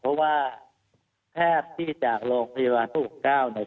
เพราะว่าแพทย์ที่จากโรงพยาบาลพระปกเก้าเนี่ย